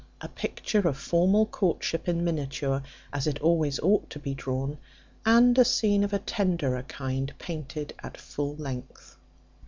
A picture of formal courtship in miniature, as it always ought to be drawn, and a scene of a tenderer kind painted at full length.